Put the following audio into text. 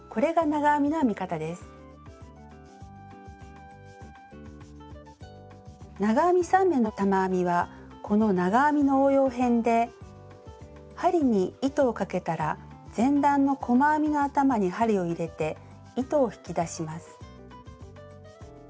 「長編み３目の玉編み」はこの長編みの応用編で針に糸をかけたら前段の細編みの頭に針を入れて糸を引き出します。